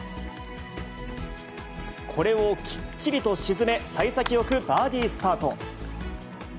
これをきっちりと沈め、さい先よくバーディースタート。